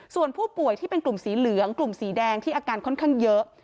ส่วนผู้ป่วยที่เป็นกลุ่มสีเหลืองกลุ่มสีแดงที่อาการค่อนข้างเยอะ